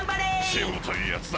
しぶといやつだ！